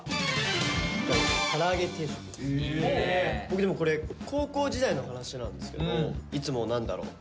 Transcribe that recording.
僕でもこれ高校時代の話なんですけどいつも何だろう